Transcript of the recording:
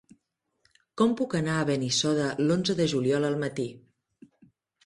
Com puc anar a Benissoda l'onze de juliol al matí?